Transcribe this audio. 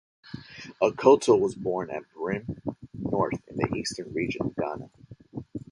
Akoto was born at Birim North in the Eastern Region of Ghana.